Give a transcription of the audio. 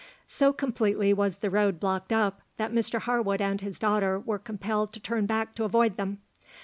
So completely was the road blocked up that Mr Harwood and his daughter were compelled to turn back to avoid them.